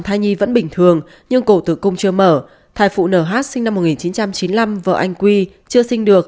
thai nhi vẫn bình thường nhưng cổ tử cung chưa mở thái phụ n h sinh năm một nghìn chín trăm chín mươi năm vợ anh quy chưa sinh